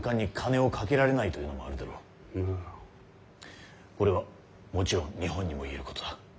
これはもちろん日本にも言えることだ。